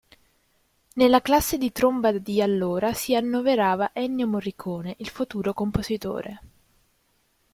Nella classe di tromba di allora si annoverava Ennio Morricone, il futuro compositore.